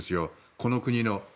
この国の。